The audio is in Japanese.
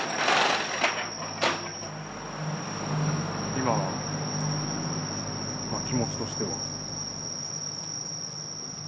今は気持ちとしては？